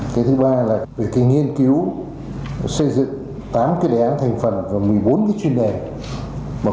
cái thứ ba là về cái nghiên cứu xây dựng tám cái đề án thành phần và một mươi bốn cái chuyên đề